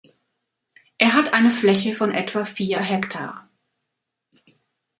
Er hat eine Fläche von etwa vier Hektar.